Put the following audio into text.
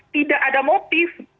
tidak ada motif